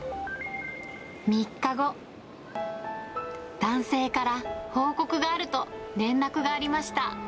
３日後、男性から報告があると連絡がありました。